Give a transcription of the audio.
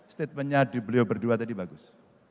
statementnya beliau berdua tadi bagus